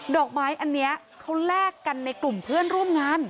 ดอกไม้อันนี้เขาแลกกันในกลุ่มเพื่อนร่วมงาน